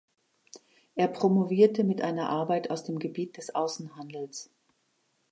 Er promovierte mit einer Arbeit aus dem Gebiet des Außenhandels.